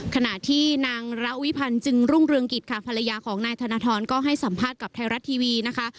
ขณะที่นางระวิพันธ์จึงรุ่งเรืองกิจค่ะภรรยาของนายธนทรก็ให้สัมภาษณ์กับไทยรัฐทีวีนะคะ